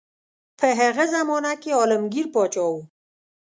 په هغه زمانه کې عالمګیر پاچا وو.